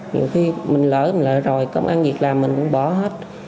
nhiều khi mình lỡ mình lại rồi công an việc làm mình cũng bỏ hết